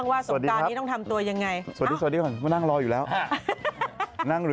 มาจากวันนี้เลยหรอ